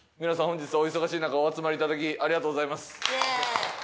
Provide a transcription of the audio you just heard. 本日はお忙しい中お集まりいただきありがとうございます。